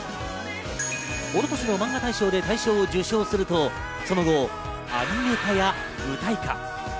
一昨年のマンガ大賞で大賞を受賞すると、その後アニメ化や舞台化。